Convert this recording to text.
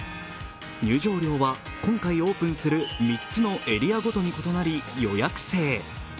入場料は今回オープンする３つのエリアごとに異なり予約制。